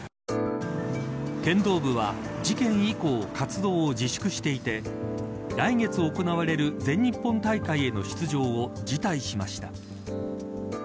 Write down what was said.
剣道部は、事件以降活動を自粛していて来月行われる全日本大会への出場を辞退しました。